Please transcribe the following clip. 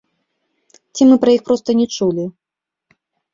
Ці мы пра іх проста не чулі.